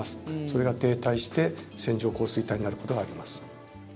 それが停滞して、線状降水帯になることがあります。